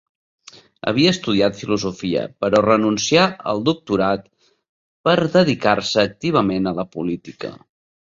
Havia estudiat filosofia, però renuncià el doctorat per dedicar-se activament a la política.